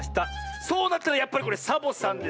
そうなったらやっぱりこれサボさんですね。